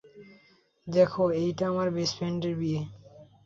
দেখ, এইটা আমার বেস্ট ফ্রেন্ড এর বিয়ে।